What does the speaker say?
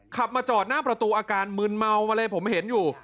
ขับมาจอดหน้าประตูอาการมืนเมามาเลยผมเห็นอยู่